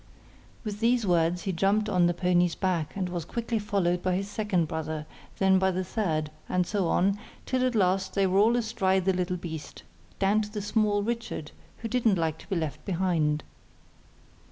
With these words he jumped on the pony's back and was quickly followed by his second brother, then by the third, and so on, till at last they were all astride the little beast, down to the small Richard, who didn't like to be left behind.